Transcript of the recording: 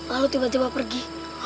lalu tiba tiba pergi